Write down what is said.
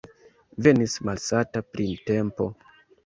Venis malsata printempo.